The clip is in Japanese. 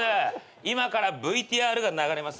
今からＶＴＲが流れます。